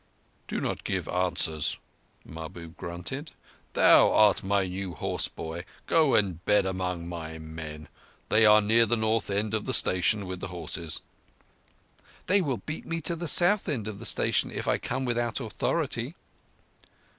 "Do not give answers," Mahbub grunted. "Thou art my new horse boy. Go and bed among my men. They are near the north end of the station, with the horses." "They will beat me to the south end of the station if I come without authority."